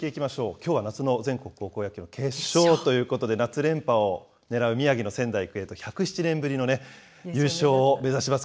きょうは夏の全国高校野球の決勝ということで、夏連覇をねらう宮城の仙台育英と１０７年ぶりの優勝を目指します